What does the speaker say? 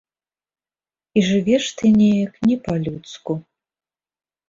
І жывеш ты неяк не па-людску.